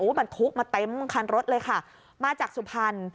บรรทุกมาเต็มคันรถเลยค่ะมาจากสุพรรณ